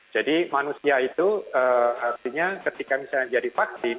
jadi manusia itu artinya ketika misalnya jadi vaksin